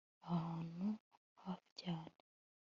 ahantu hafi cyane